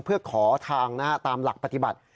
เพื่อขอทางตามหลักปฏิบัติ